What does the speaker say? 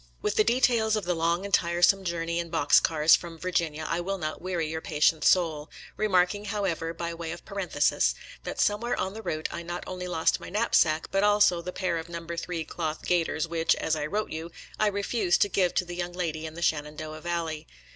♦♦• With the details of the long and tiresome jour ney in boxcars from Virginia, I will not weary your patient soul — remarking, however, by way of parenthesis, that somewhere on the route I not only lost my knapsack, but also the pair of No. 3 cloth gaiters which, as I wrote you, I refused to give to the young lady in the Shen andoah Valley.